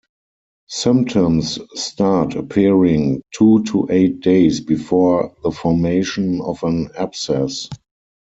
Symptoms start appearing two to eight days before the formation of an abscess.